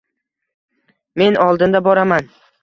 Men oldinda boraman